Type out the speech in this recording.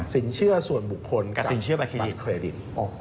สินเชื่อส่วนบุคคลกับสินเชื่อบัตเครดิตเครดิต